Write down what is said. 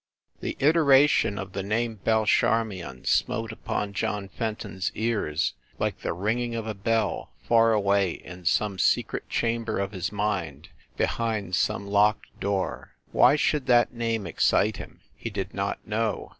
The iteration of the name Belle Charmion smote upon John Fenton s ears like the ringing of a bell far away in some secret chamber of his mind, behind some locked door. Why should that name excite him? He did not know.